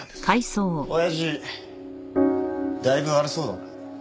親父だいぶ悪そうだな。